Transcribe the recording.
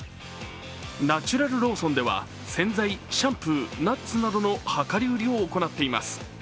ナチュラルローソンでは洗剤、シャンプー、ナッツなどの量り売りを行っています。